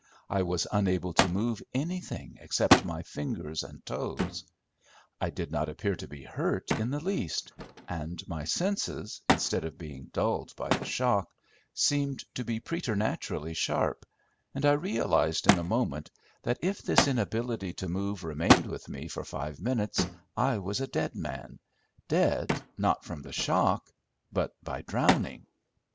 I was unable to move anything except my fingers and toes. I did not appear to be hurt in the least, and my senses, instead of being dulled by the shock, seemed to be preternaturally sharp, and I realized in a moment that if this inability to move remained with me for five minutes I was a dead man—dead, not from the shock, but by drowning.